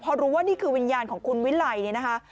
พอรู้ว่านี่คือวิญญาณของคุณวิไลเนี่ยนะคะ